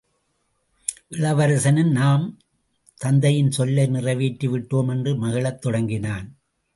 இளவரசனும் நாம் தந்தையின் சொல்லை நிறை வேற்றிவிட்டோம் என்று மகிழத் தொடங்கினான்.